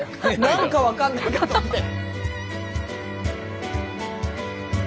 何か分かんないかと思って。